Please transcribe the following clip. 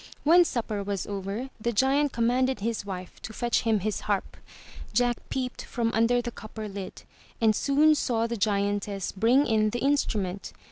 When supper was over, the giant commanded his wife to fetch him his harp. Jack peeped from under the copper lid, and soon saw the giantess bring in the instrument.